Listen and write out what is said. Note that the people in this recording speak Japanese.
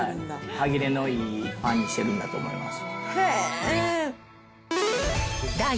歯切れのいいパンにしてるんだと思います。